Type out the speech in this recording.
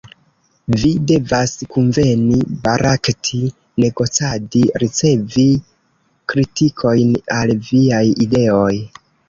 Vi devas kunveni, barakti, negocadi, ricevi kritikojn al viaj ideoj.